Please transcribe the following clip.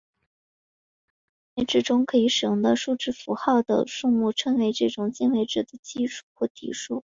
一种进位制中可以使用的数字符号的数目称为这种进位制的基数或底数。